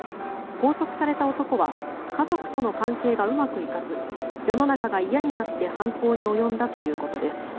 拘束された男は家族との関係がうまくいかず世の中がいやになって犯行に及んだということです。